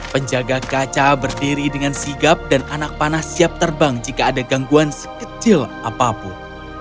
penjaga kaca berdiri dengan sigap dan anak panas siap terbang jika ada gangguan sekecil apapun